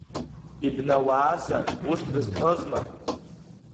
Ибнауаазар ус рызҳәозма?!